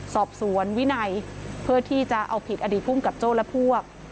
สอบสวนวินัยเพื่อที่จะเอาผิดอดีตภูมิกับโจ้และพวก